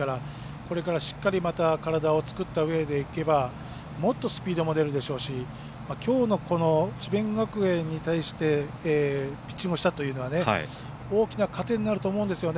これから、しっかり、また体をつくったうえでいけばもっとスピードも出るでしょうしきょうの智弁学園に対してピッチングをしたというのは大きな糧になると思うんですよね。